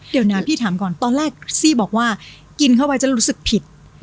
เดี๋ยวนะพี่ถามก่อนตอนแรกซี่บอกว่ากินเข้าไปจะรู้สึกผิด